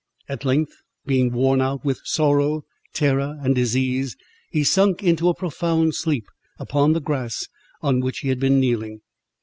At length being worn out with sorrow, terror, and disease, he sunk into a profound sleep upon the grass, on which he had been kneeling.